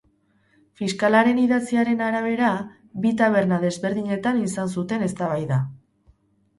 Fiskalaren idatziaren arabera, bi taberna desberdinetan izan zuten eztabaida.